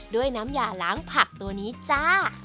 ด้วยน้ำยาล้างผักตัวนี้จ้า